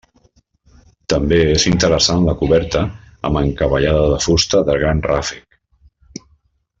També és interessant la coberta amb encavallada de fusta de gran ràfec.